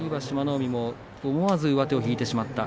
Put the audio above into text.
海も思わず上手を引いてしまった。